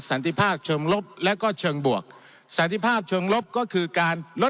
ติภาพเชิงลบแล้วก็เชิงบวกสันติภาพเชิงลบก็คือการลด